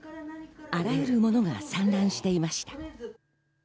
あらゆる物が散乱していました。